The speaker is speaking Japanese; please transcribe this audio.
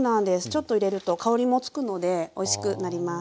ちょっと入れると香りもつくのでおいしくなります。